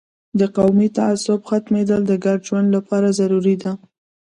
د قومي تعصب ختمیدل د ګډ ژوند لپاره ضروري ده.